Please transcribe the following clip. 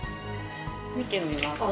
見てみます？